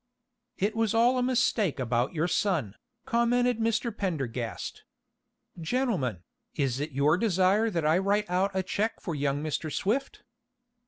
"It was all a mistake about your son," commented Mr. Pendergast. "Gentlemen, is it your desire that I write out a check for young Mr. Swift?"